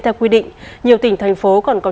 theo quy định nhiều tỉnh thành phố còn có